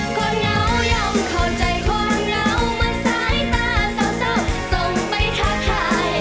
คนเหงายอมเข้าใจความเหงาเหมือนสายตาสาวส่งไปทักทาย